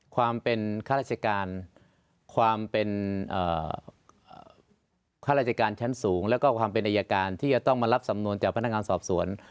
ข้าราชิการชั้นสูงแล้วก็ความเป็นอายาการที่จะต้องมารับสำนวนจากพนักงานสอบสวน